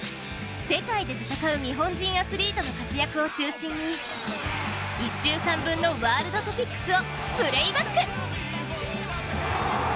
世界で戦う日本人アスリートの活躍を中心に１週間分のワールドトピックスをプレーバック！